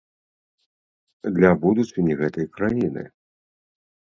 Для будучыні гэтай краіны.